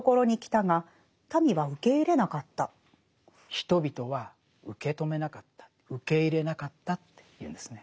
人々は受け止めなかった受け入れなかったっていうんですね。